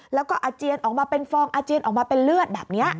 แล้วก็อาเจียนออกมาเป็นฟองอาเจียนออกมาเป็นเลือดแบบนี้